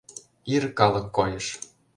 Ир калык койыш.